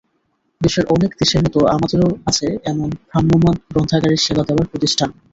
বিশ্বের অনেক দেশের মতো আমাদেরও আছে এমন ভ্রাম্যমাণ গ্রন্থাগারের সেবা দেওয়ার প্রতিষ্ঠান।